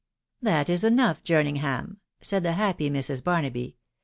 " That is enough, Jerningham," said the happy Mrs. Bar naby.